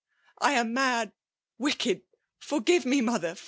I am mad— vicked !— forgire me, mother